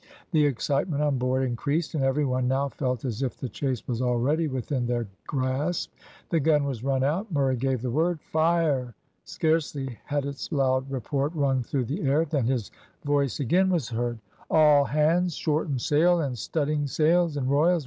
The excitement on board increased, and every one now felt as if the chase was already within their grasp. The gun was run out. Murray gave the word, "Fire!" Scarcely had its loud report rung through the air, than his voice again was heard "All hands, shorten sail! In studding sails and royals.